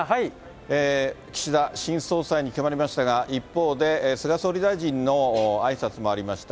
岸田新総裁に決まりましたが、一方で、菅総理大臣のあいさつもありました。